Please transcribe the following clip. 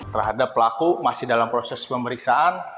terhadap pelaku masih dalam proses pemeriksaan